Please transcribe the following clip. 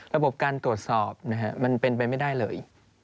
ระบบการตรวจสอบมันเป็นไปไม่ได้เลย